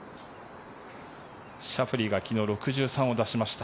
シャフリーが昨日６３を出しました。